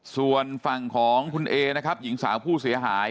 ส่วนฝั่งของคุณเอนะครับหญิงสาวผู้เสียหาย